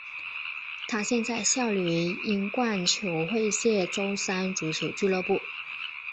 他现在效力于英冠球会谢周三足球俱乐部。